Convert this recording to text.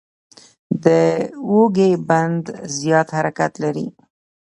د اوږې بند زیات حرکت لري.